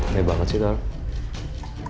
ne banget sih tau